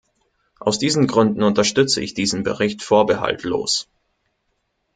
Aus diesen Gründen unterstütze ich diesen Bericht vorbehaltlos.